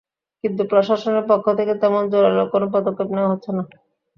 কিন্তু প্রশাসনের পক্ষ থেকে তেমন জোরালো কোনো পদক্ষেপ নেওয়া হচ্ছে না।